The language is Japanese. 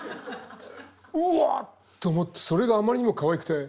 うわと思ってそれがあまりにもかわいくて。